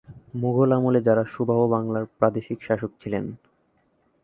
মুঘল আমলে যারা সুবাহ বাংলার প্রাদেশিক শাসক ছিলেন।